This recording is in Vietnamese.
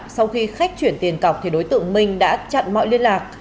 sau khi khách chuyển tiền cọc đối tượng minh đã chặn mọi liên lạc